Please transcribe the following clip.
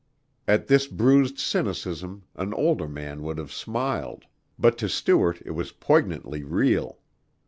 At this bruised cynicism an older man would have smiled, but to Stuart it was poignantly real.